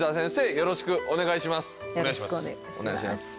よろしくお願いします